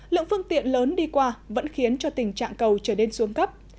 lượng phương tiện lớn đi qua vẫn khiến cho tình trạng cầu trở nên xuống cấp